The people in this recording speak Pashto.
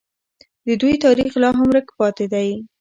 د دوی تاریخ لا هم ورک پاتې دی.